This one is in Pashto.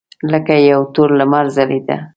لکه یو تور لمر ځلېده.